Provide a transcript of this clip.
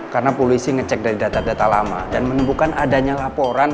karena polisi ngecek dari data data lama dan menemukan adanya laporan